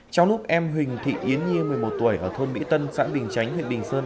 trong lúc em huỳnh thị yến nhi một mươi một tuổi ở thôn mỹ tân xã bình chánh huyện bình sơn